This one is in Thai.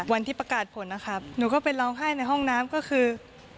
วันที่ประกาศผลนะครับหนูก็ไปร้องไห้ในห้องน้ำก็คือ